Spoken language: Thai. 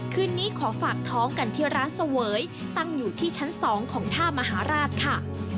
คืนนี้ขอฝากท้องกันที่ร้านเสวยตั้งอยู่ที่ชั้น๒ของท่ามหาราชค่ะ